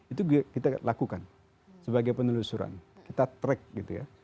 itu kita lakukan sebagai penelusuran kita track gitu ya